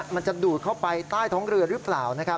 มันจะดูดเข้าไปใต้ท้องเรือหรือเปล่า